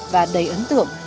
và đầy ấn tượng